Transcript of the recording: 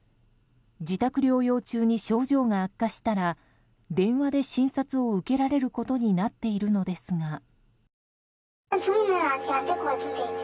自宅療養中に症状が悪化したら電話で診察を受けられることになっているのですが。